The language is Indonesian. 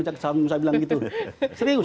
jaksa agung saya bilang gitu serius